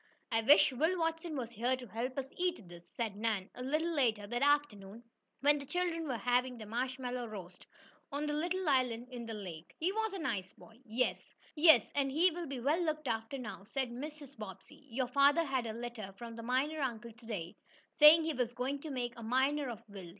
"I wish Will Watson was here to help us eat these," said Nan a little later that afternoon, when the children were having their marshmallow roast on a little island in the lake. "He was a nice boy." "Yes, and he will be well looked after now," said Mrs. Bobbsey. "Your father had a letter from the miner uncle to day, saying he was going to make a miner of Will.